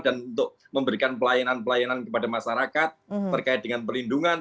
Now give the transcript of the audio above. dan untuk memberikan pelayanan pelayanan kepada masyarakat terkait dengan perlindungan